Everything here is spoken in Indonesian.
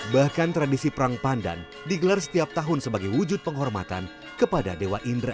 bahkan tradisi perang pandan digelar setiap tahun sebagai wujud penghormatan kepada dewa indra